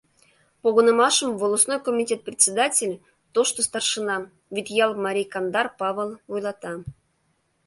Погынымашым волостной комитет председатель, тошто старшина, Вӱдъял марий Кандар Павыл вуйлата.